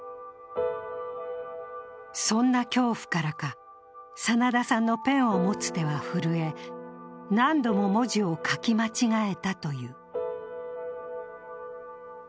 そんな恐怖からか、真田さんのペンを持つ手は震え、何度も文字を書き間違えたという。